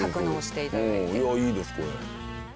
いやいいですこれ。